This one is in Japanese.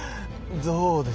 どうです？